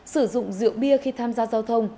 sử dụng rượu bia khi tham gia giao thông